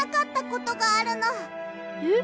えっ？